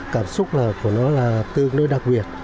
cảm xúc của nó tương đối đặc biệt